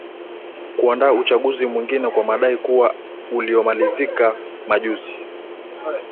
kuandaa uchaguzi mwingine kwa madai kuwa uliomalizika majuzi